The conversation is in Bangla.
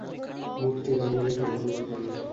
মুখটি ডান দিকে সামান্য বাঁকানো।